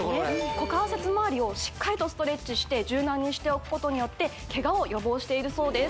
股関節周りをしっかりとストレッチして柔軟にしておくことによってケガを予防しているそうです